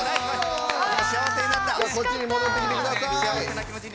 こっちに戻ってきてください。